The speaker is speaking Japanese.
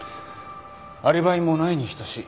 アリバイもないに等しい。